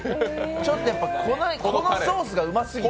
ちょっとやっぱ、このソースがうますぎて。